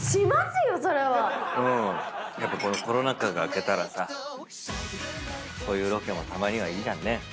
このコロナ禍が明けたらそういうロケもたまにはいいじゃんね。